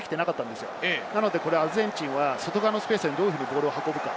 ですからアルゼンチンは外側のスペースにどうボールを運ぶか。